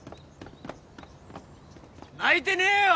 泣いてねえよ！